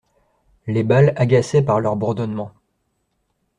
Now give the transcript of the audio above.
Les balles agaçaient par leur bourdonnement.